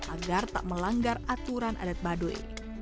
agar tak melanggar aturan adat baduy